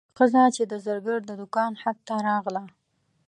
ښځه چې د زرګر د دوکان حد ته راغله.